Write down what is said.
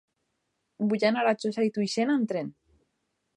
Vull anar a Josa i Tuixén amb tren.